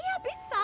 aku ngariin mau aku